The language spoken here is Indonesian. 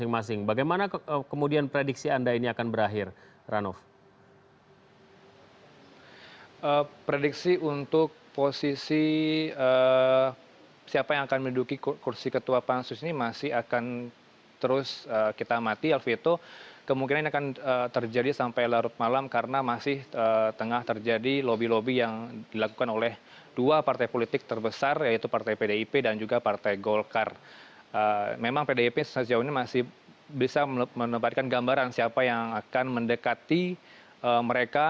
memang pdip sejauh ini masih bisa menempatkan gambaran siapa yang akan mendekati mereka